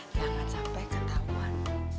jangan sampai ketauan